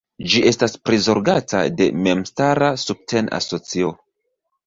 Ĝi estas prizorgata de memstara subten-asocio.